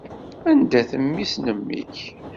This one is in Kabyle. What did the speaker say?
Anda-t mmi-s n mmi-k?